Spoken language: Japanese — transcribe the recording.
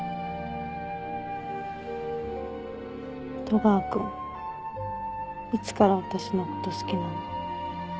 戸川君いつから私のこと好きなの？